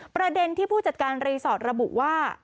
ประเด็นที่ผู้จัดการรีสอร์ทระบุว่า